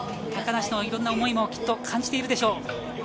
高梨のいろんな思いも感じているでしょう。